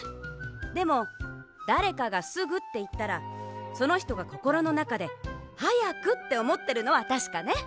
でもだれかが「すぐ」っていったらそのひとがこころのなかで「はやく」っておもってるのはたしかね。